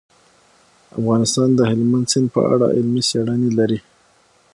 افغانستان د هلمند سیند په اړه علمي څېړنې لري.